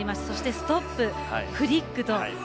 そして、ストップ、フリックと。